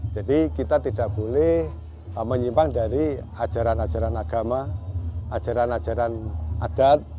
jadi kita tidak boleh menyimpan dari ajaran ajaran agama ajaran ajaran adat